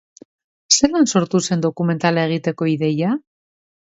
Zelan sortu zen dokumentala egiteko ideia?